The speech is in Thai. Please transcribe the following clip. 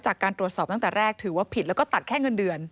จากการตรวจสอบตั้งแต่แรกถือว่าผิดแล้วก็ตัดแค่เงินเดือน